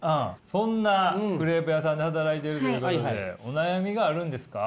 そんなクレープ屋さんで働いてるということでお悩みがあるんですか？